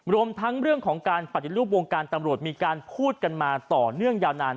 รวมทั้งเรื่องของการปฏิรูปวงการตำรวจมีการพูดกันมาต่อเนื่องยาวนาน